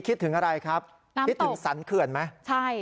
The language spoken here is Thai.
คิดถึงอะไรครับคิดถึงสรรเขื่อนไหมใช่